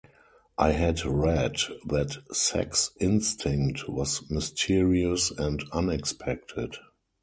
I had read that sex instinct was mysterious and unexpected.